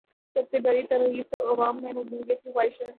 سب سے بڑی ترغیب تو عوام میں مقبولیت کی خواہش ہے۔